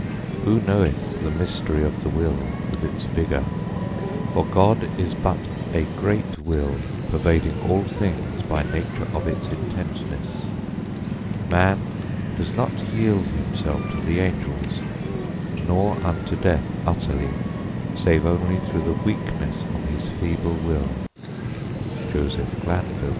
Who knoweth the mystery of the will, with its vigor? For God is but a great will pervading all things by nature of its intentness. Man doth not yield himself to the angels, nor unto death utterly, save only through the weakness of his feeble will. _Joseph Glanvill.